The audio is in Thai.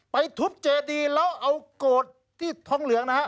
ไปทุบเจดีแล้วเอาโกรธที่ทองเหลืองนะฮะ